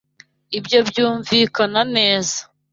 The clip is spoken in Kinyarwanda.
Ibyo byumvikana neza.